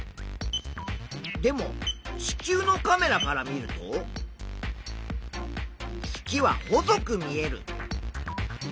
でも地球のカメラから見ると月は細く見える。